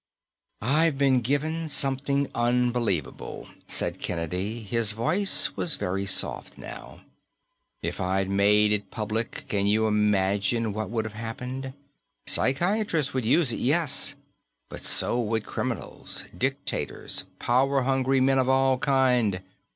"I've been given something unbelievable," said Kennedy. His voice was very soft now. "If I'd made it public, can you imagine what would have happened? Psychiatrists would use it, yes; but so would criminals, dictators, power hungry men of all kinds.